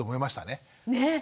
ねえ！